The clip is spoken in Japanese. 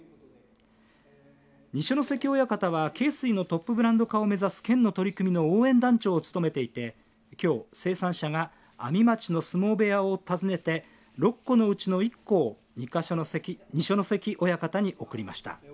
二所ノ関親方は恵水のトップブランド化を目指す県の取り組みの応援団長を務めていてきょう生産者が阿見町の相撲部屋を訪ねて６個のうちの１個を二所ノ関親方に贈りました。